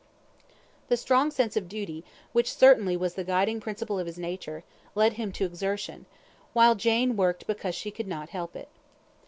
The strong sense of duty, which certainly was the guiding principle of his nature, led him to exertion; while Jane worked because she could not help it.